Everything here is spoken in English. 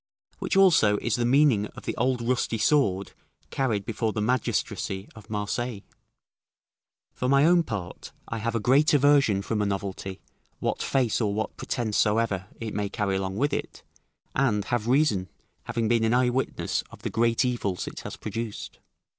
Which also is the meaning of the old rusty sword carried before the magistracy of Marseilles. For my own part, I have a great aversion from a novelty, what face or what pretence soever it may carry along with it, and have reason, having been an eyewitness of the great evils it has produced.